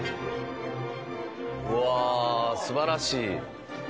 うわあ素晴らしい。